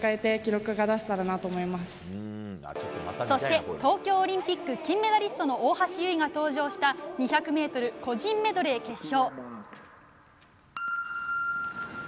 そして、東京オリンピック金メダリストの大橋悠依が登場した２００ｍ個人メドレー決勝。